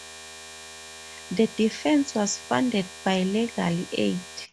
The defence was funded by legal aid.